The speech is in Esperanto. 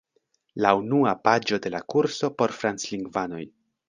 La unua paĝo de la kurso por franclingvanoj.